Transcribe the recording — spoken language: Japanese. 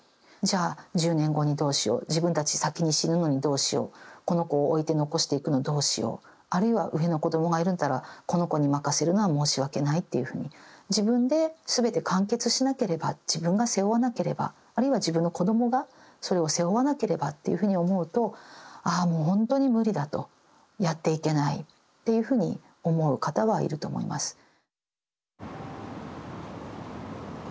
じゃあ１０年後にどうしよう自分たち先に死ぬのにどうしようこの子を置いて残していくのどうしようあるいは上の子どもがいるんならこの子に任せるのは申し訳ないというふうに自分で全て完結しなければ自分が背負わなければあるいは自分の子どもがそれを背負わなければっていうふうに思うとああほんとに無理だとやっていけないっていうふうに思う方はいると思います。